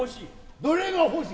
どれが欲しい。